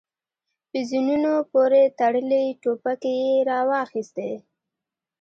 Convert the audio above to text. پر زينونو پورې تړلې ټوپکې يې را واخيستې.